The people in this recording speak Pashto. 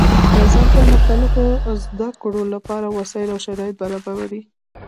نظام د پرمختللو زده کړو له پاره وسائل او شرایط برابروي.